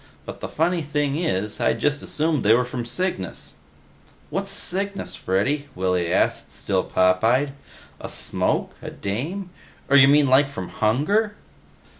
But the funny thing is, I'd just assumed they were from Cygnus." "What's a Cygnus, Freddy?" Willy asked, still pop eyed. "A smoke? A dame? Or you mean like from Hunger?"